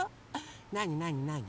なになになに？